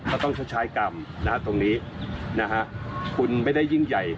ก็ต้องใช้กรรมคุณไม่ได้ยิ่งใหญ่